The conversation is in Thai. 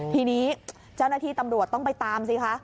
ทีนี้เจ้าหน้าที่ตำรวจต้องไปตามสิคะ